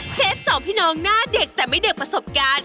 เชฟสองพี่น้องหน้าเด็กแต่ไม่เด็กประสบการณ์